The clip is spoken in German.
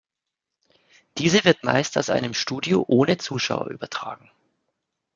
Diese wird meist aus einem Studio ohne Zuschauer übertragen.